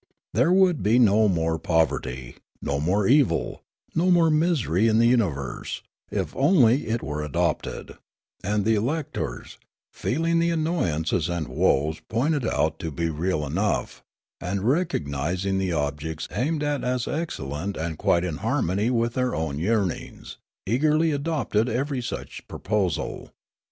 There would be no more poverty, no more evil, no more misery in the universe, if only it were adopted ; and the electors, feeling the annoyances and woes pointed out to be real enough, and recognising the objects aimed at as excellent and quite in harmonj' with their own ^ earnings, eagerlj'' adopted every such proposal.